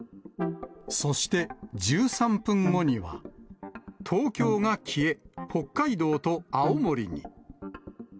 そして１３分後には、東京が消え、北海道と青森に。